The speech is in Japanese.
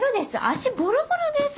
足ボロボロです。